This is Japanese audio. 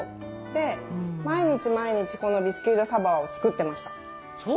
で毎日毎日このビスキュイ・ド・サヴォワを作ってました。